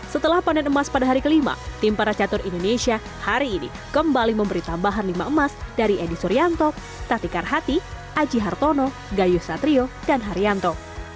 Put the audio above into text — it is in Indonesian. setelah panen emas pada hari kelima tim para catur indonesia hari ini kembali memberi tambahan lima emas dari edi suryanto tati karhati aji hartono gayu satrio dan haryanto